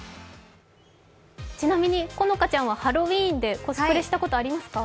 ちなみに好花ちゃんはハロウィーンでコスプレしたことありますか？